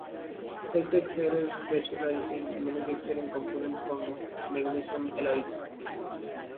Essex Aero specialised in manufacturing components from magnesium alloys.